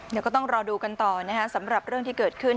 เดี๋ยวก็ต้องรอดูกันต่อนะครับสำหรับเรื่องที่เกิดขึ้น